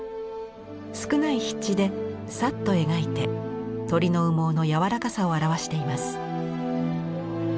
少ない筆致でさっと描いて鳥の羽毛の柔らかさを表しています。